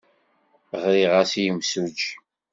Ɣriɣ-as i yimsujji.